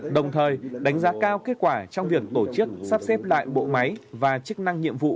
đồng thời đánh giá cao kết quả trong việc tổ chức sắp xếp lại bộ máy và chức năng nhiệm vụ